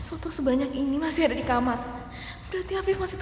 ayo bunuh aku renu bunuh